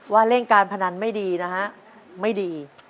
เล่นการพนันไม่ดีนะฮะไม่ดี